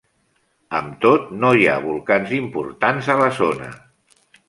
Amb tot, no hi ha volcans importants a la zona.